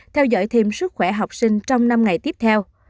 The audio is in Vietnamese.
theo dõi thêm sức khỏe học sinh trong năm ngày tiếp theo